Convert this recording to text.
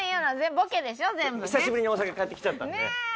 久しぶりに大阪帰ってきちゃったんで。